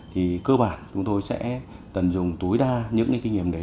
thì cơ bản chúng tôi sẽ tận dụng tối đa những kinh nghiệm đấy